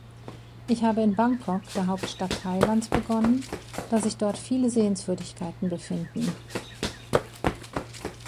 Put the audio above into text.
Ich habe in Bangkok, der Hauptstadt Thailands, begonnen, da sich dort viele Sehenswürdigkeiten befinden.